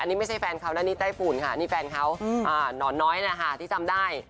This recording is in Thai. นี่ไม่ใช่แฟนเขานะนี่ไต้ฝุ่นค่ะนี่แฟนเขาหนอนน้อยนะคะที่จำได้